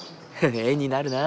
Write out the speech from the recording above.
絵になるな。